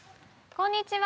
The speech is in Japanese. こんにちは。